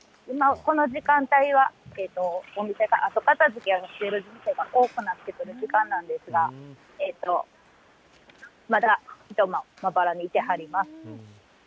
今この時間帯は、お店が後片づけをしているところが、多くなってくる時間なんですが、まだ、人もまばらにいてはります。